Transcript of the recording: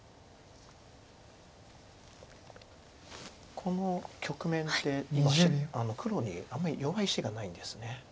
この局面って黒にあんまり弱い石がないんです。